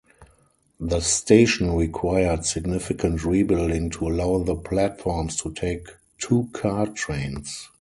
The station required significant rebuilding to allow the platforms to take two-car trains.